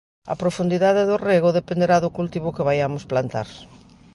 A profundidade do rego dependerá do cultivo que vaiamos plantar.